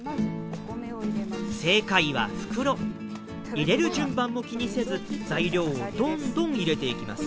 入れる順番も気にせず材料をどんどん入れていきます。